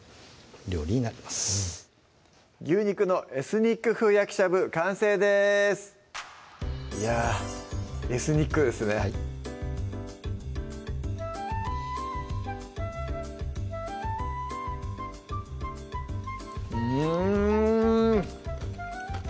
料理になります「牛肉のエスニック風焼きしゃぶ」完成ですいやぁエスニックですねはいうん！